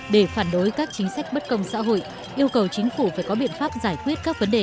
để phản đối các chính sách bất công xã hội yêu cầu chính phủ phải có biện pháp giải quyết các vấn đề